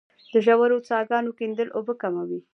د ژورو څاګانو کیندل اوبه کموي